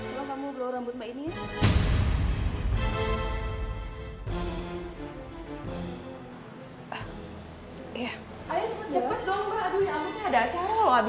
belom kamu blow rambut mbak ini ya